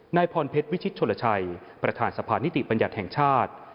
นายพรเพชรวิชิตชนลชัยประธานสะพานนิติบัญญัติแห่งชาติ